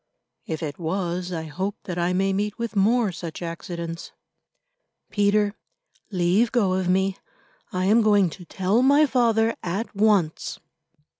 "If it was, I hope that I may meet with more such accidents." "Peter, leave go of me. I am going to tell my father, at once."